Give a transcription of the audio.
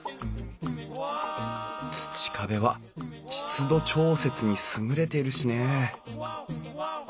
土壁は湿度調節に優れているしね